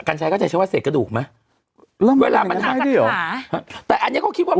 กัญชาก็จะใช้ว่าเสียดกระดูกไหมแล้วมันยังไงได้ดีหรอแต่อันนี้ก็คิดว่ามัน